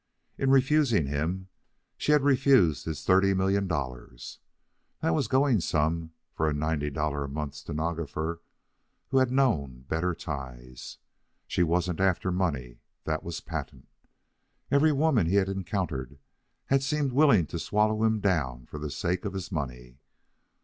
In refusing him she had refused his thirty million dollars. That was going some for a ninety dollar a month stenographer who had known better times. She wasn't after money, that was patent. Every woman he had encountered had seemed willing to swallow him down for the sake of his money.